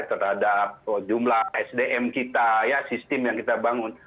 terhadap jumlah sdm kita sistem yang kita bangun